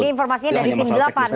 ini informasinya dari tim delapan